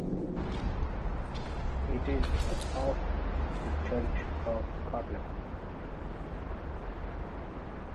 It is a of the Church of Scotland.